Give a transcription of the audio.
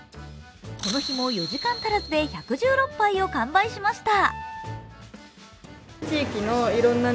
この日も４時間足らずで１１６杯を完売しました。